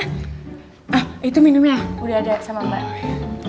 ah itu minumnya udah ada sama mbak